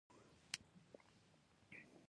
هرات د افغانستان د ځانګړي جغرافیه استازیتوب کوي.